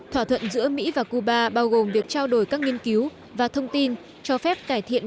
thỏa thuận giữa mỹ và cuba bao gồm việc trao đổi các nghiên cứu và thông tin cho phép cải thiện